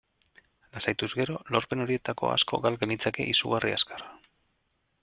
Lasaituz gero, lorpen horietako asko gal genitzake izugarri azkar.